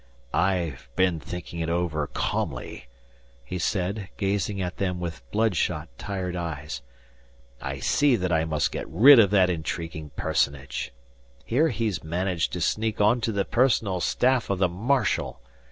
"I've been thinking it over calmly," he said, gazing at them with bloodshot, tired eyes. "I see that I must get rid of that intriguing personage. Here he's managed to sneak onto the personal staff of the marshal.